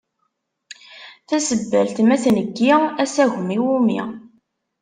Tasebbalt ma tneggi, asagem iwumi?